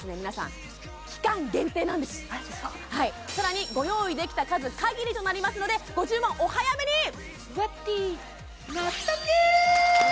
皆さん期間限定なんですさらにご用意できた数限りとなりますのでご注文お早めに！